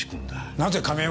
なぜ亀山。